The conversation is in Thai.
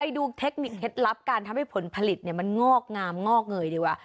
ดูเทคนิคเคล็ดลับการทำให้ผลผลิตมันงอกงามงอกเงยดีกว่า